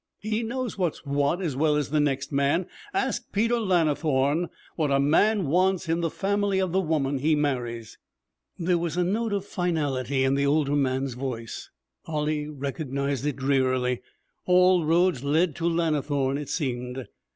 He knows what's what as well as the next man. Ask Peter Lannithorne what a man wants in the family of the woman he marries.' There was a note of finality in the older man's voice. Ollie recognized it drearily. All roads led to Lannithorne, it seemed.